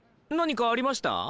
何かありました？